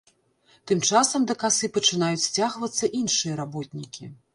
Тым часам да касы пачынаюць сцягвацца іншыя работнікі.